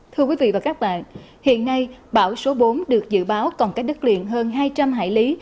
thưa quý vị và các bạn hiện nay bão số bốn được dự báo còn cách đất liền hơn hai trăm linh hải lý